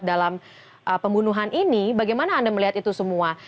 dalam pembunuhan ini bagaimana anda melihat itu semua